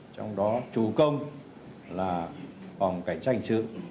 trong đó chủ công là công an cảnh sát hình sự